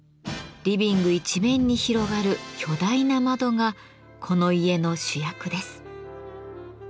リビング一面に広がる巨大な窓がこの家の主役です。